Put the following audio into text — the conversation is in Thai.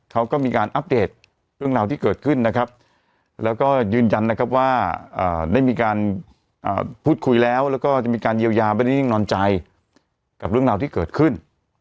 เขาก็มีการอัปเดตเรื่องราวที่เกิดขึ้นนะครับแล้วก็ยืนยันนะครับว่าได้มีการพูดคุยแล้วแล้วก็จะมีการเยียวยาไม่ได้นิ่งนอนใจกับเรื่องราวที่เกิดขึ้น